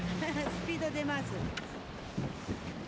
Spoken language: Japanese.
スピード出ます。